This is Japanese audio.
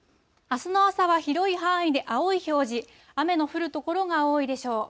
あすの朝は広い範囲で青い表示、雨の降る所が多いでしょう。